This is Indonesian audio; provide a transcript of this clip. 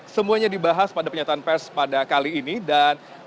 semuanya dibahas pada penyataan pers pada kali ini dan